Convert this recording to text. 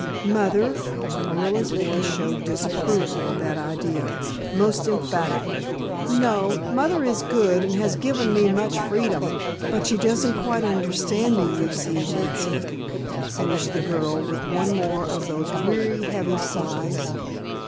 "Mother?" Orilla's voice showed disapproval of that idea, most emphatically. "No, mother is good and has given me much freedom, but she doesn't quite understand me, you see, Nancy," finished the girl with one more of those weary, heavy sighs.